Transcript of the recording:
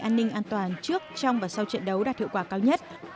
an ninh an toàn trước trong và sau trận đấu đạt hiệu quả cao nhất